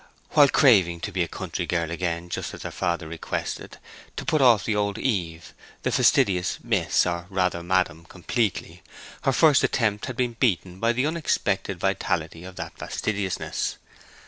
While craving to be a country girl again just as her father requested; to put off the old Eve, the fastidious miss—or rather madam—completely, her first attempt had been beaten by the unexpected vitality of that fastidiousness.